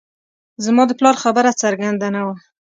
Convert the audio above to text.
زما د پلار خبره څرګنده نه وه